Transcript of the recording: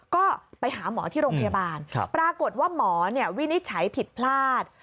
ก็ไปหาหมอที่โรงพยาบาลปรากฏว่าหมอวินิจฉัยผิดพลาด